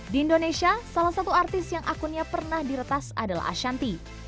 di indonesia salah satu artis yang akunnya pernah diretas adalah ashanti